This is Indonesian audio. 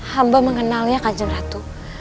hamba mengenalnya kan jenratu